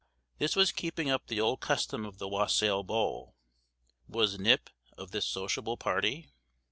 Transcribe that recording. This was keeping up the old custom of the wassail bowl (was Knipp of this sociable party?)